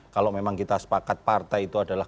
kalau memang kita sepakat partai itu adalah